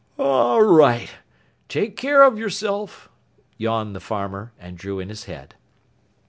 "All right! Take care of yourself," yawned the farmer, and drew in his head.